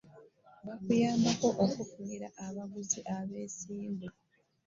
Bakuyambako okukufunira abaguzi abeesimbu.